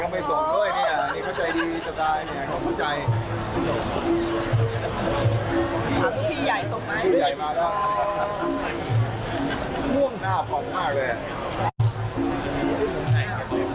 ม่วงหน้าผอมมากเลย